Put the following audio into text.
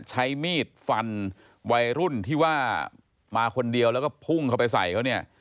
ใช้มีดฟันวัยรุ่นที่ว่ามาคนเดียวแล้วก็พุ่งเข้าไปใส่เขาเนี่ย